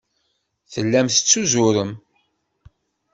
Tellam tettuzurem.